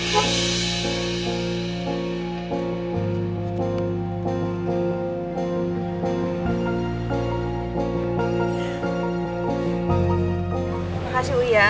makasih u ya